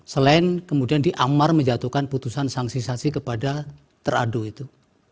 selain kemudian diamar menjatuhkan putusan sanksi sanksi kepada teradu itu